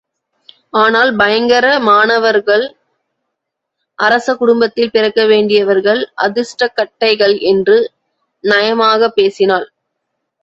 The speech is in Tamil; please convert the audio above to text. ஆனால் பயங்கர மானவர்கள் அரச குடும்பத்தில் பிறக்க வேண்டியவர்கள் அதிருஷ்டக்கட்டைகள் என்று நயமாகப் பேசினாள்.